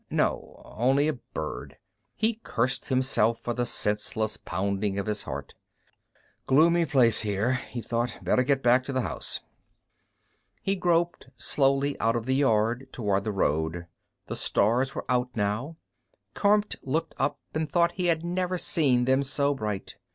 No, only a bird. He cursed himself for the senseless pounding of his heart. Gloomy place here, he thought. Better get back to the house. He groped slowly out of the yard, toward the road. The stars were out now. Kormt looked up and thought he had never seen them so bright.